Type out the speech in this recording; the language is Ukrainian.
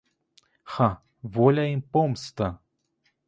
Ха, воля й помста!